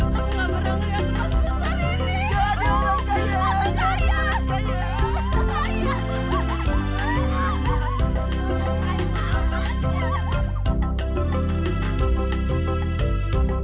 mas kesan sekali